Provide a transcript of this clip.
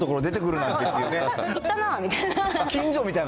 行ったな、みたいな。